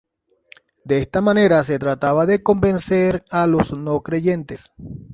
De esta manera se trataba de convencer a los no creyentes.